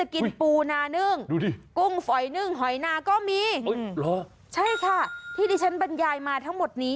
กินปูนานึ่งดูดิกุ้งฝอยนึ่งหอยนาก็มีใช่ค่ะที่ที่ฉันบรรยายมาทั้งหมดนี้